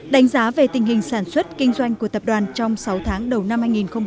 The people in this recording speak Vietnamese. đánh giá về tình hình sản xuất kinh doanh của tập đoàn trong sáu tháng đầu năm hai nghìn hai mươi